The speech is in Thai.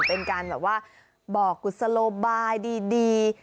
เป็นการบอกกุศโลบายดี